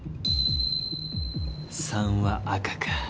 ３は赤か。